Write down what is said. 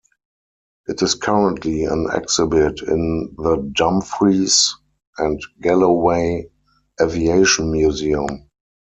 It is currently an exhibit in the Dumfries and Galloway Aviation Museum.